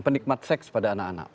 penikmat seks pada anak anak